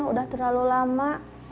udah terlalu lama